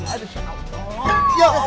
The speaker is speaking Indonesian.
aduh syak allah